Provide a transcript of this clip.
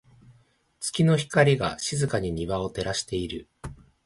月の光が、静かに庭を照らしている。